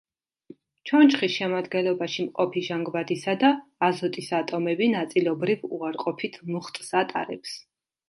ჩონჩხის შემადგენლობაში მყოფი ჟანგბადისა და აზოტის ატომები ნაწილობრივ უარყოფით მუხტს ატარებს.